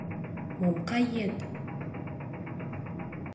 — Мом кает?